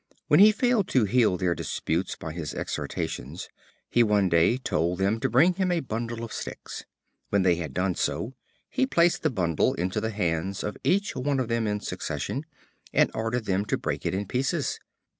When he failed to heal their disputes by his exhortations, he one day told them to bring him a bundle of sticks. When they had done so, he placed the bundle into the hands of each of them in succession, and ordered them to break it in pieces.